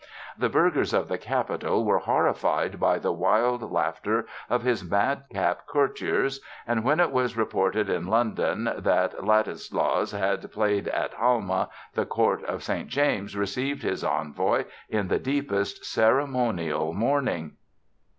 The burghers of the capital were horrified by the wild laughter of his madcap courtiers, and when it was reported in London that Ladislas had played at Halma the Court of St. James's received his envoy in the deepest of ceremonial mourning.